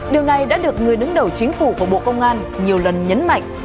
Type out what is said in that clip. điều này đã được người đứng đầu chính phủ và bộ công an nhiều lần nhấn mạnh